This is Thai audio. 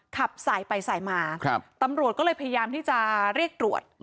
ขับสายไปสายมาตำรวจก็เลยพยายามที่จะเรียกตรวจ